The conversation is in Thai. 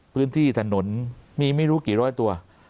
พื้นที่ถนนมีไม่รู้กี่ร้อยตัว